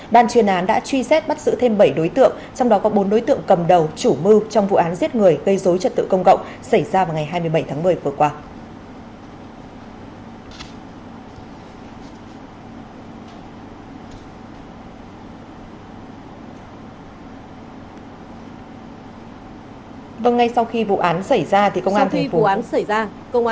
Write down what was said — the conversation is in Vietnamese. ban truyền án đã truy xét bắt giữ thêm bảy đối tượng trong đó có bốn đối tượng cầm đầu chủ mưu trong vụ án giết người gây dối trật tự công cộng xảy ra vào ngày hai mươi bảy tháng một mươi vừa qua